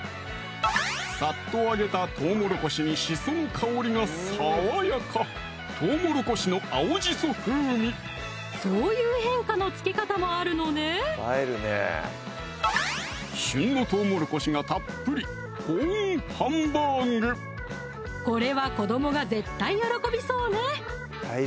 さっと揚げたとうもろこしにシソの香りが爽やかそういう変化のつけ方もあるのね旬のとうもろこしがたっぷりこれは子どもが絶対喜びそうね